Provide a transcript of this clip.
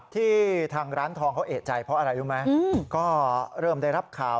ที่ทางร้านทองเขาเอกใจเพราะอะไรรู้ไหมก็เริ่มได้รับข่าว